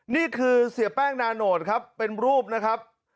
นี่คือเสียแป้งนาโนตครับเป็นรูปนะครับ